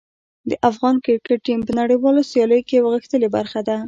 د افغان کرکټ ټیم په نړیوالو سیالیو کې یوه غښتلې برخه ده.